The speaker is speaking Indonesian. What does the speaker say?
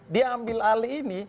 dia ambil alih ini